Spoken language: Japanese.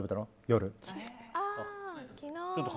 夜。